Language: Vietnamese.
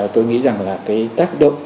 tôi nghĩ rằng là tác động